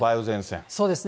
そうですね。